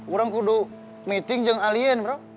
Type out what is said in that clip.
orang kudu meeting jangan alien bro